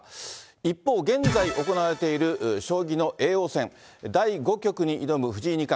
一方、現在行われている将棋の叡王戦第５局に挑む藤井二冠。